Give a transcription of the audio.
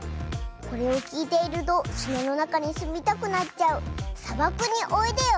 これをきいているとすなのなかにすみたくなっちゃう「さばくにおいでよ」！